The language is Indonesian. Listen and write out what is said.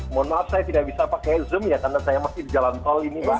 mohon maaf saya tidak bisa pakai zoom ya karena saya masih di jalan tol ini pak